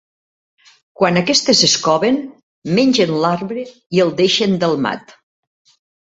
Quan aquestes es coven, mengen l'arbre i el deixen delmat.